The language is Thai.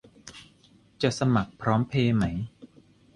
จะสมัครพร้อมเพย์ไหม